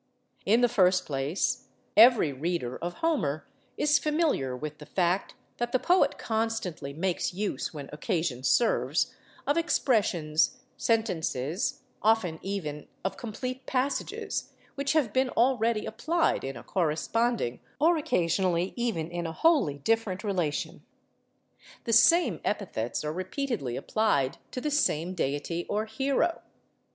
In the first place, every reader of Homer is familiar with the fact that the poet constantly makes use, when occasion serves, of expressions, sentences, often even of complete passages, which have been already applied in a corresponding, or occasionally even in a wholly different relation. The same epithets are repeatedly applied to the same deity or hero.